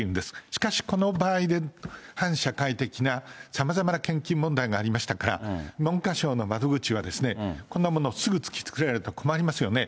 しかし、この場合で、反社会的なさまざまな献金問題がありましたから、文科省の窓口は、こんなもの、すぐ突きつけられたら困りますよね。